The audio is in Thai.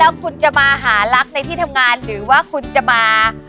แล้วคุณจะมาหารักในที่ทำงานหรือว่าคุณจะมา